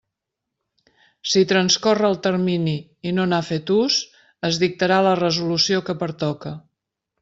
Si transcorre el termini i no n'ha fet ús, es dictarà la resolució que pertoque.